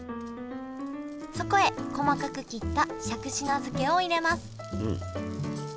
そこへ細かく切ったしゃくし菜漬けを入れます